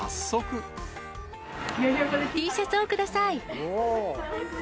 Ｔシャツをください。